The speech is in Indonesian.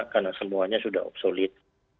karena semuanya sudah obsolit